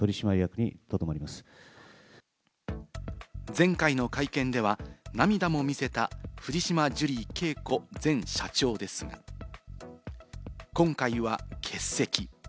前回の会見では、涙も見せた藤島ジュリー景子前社長ですが、今回は欠席。